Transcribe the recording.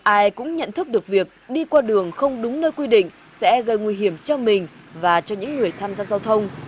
ai cũng nhận thức được việc đi qua đường không đúng nơi quy định sẽ gây nguy hiểm cho mình và cho những người tham gia giao thông